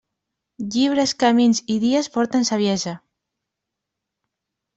Llibres, camins i dies porten saviesa.